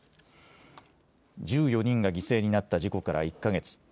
１４人が犠牲になった事故から１か月。